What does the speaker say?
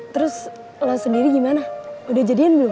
terus lo sendiri gimana udah jadian belum